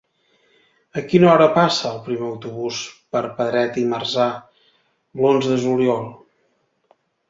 A quina hora passa el primer autobús per Pedret i Marzà l'onze de juliol?